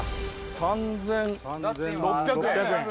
３６００円。